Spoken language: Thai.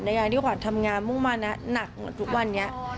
ในยามที่ขวัญทำงานมุ่งมันนักทุกวันนี้